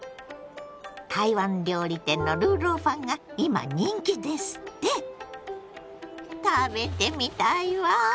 台湾料理店の魯肉飯が今人気ですって⁉食べてみたいわ。